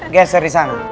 geser di sana